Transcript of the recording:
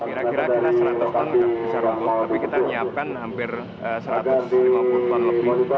kira kira seratus ton bisa rumput tapi kita menyiapkan hampir satu ratus lima puluh ton lebih